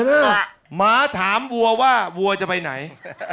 อ้าวหมาถามวัวว่าวัวจะไปไหน